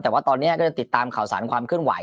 แต่ว่าตอนนี้ก็จะติดตามข่าวสารความเคลื่อนไห